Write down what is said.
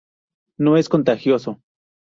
No es contagioso.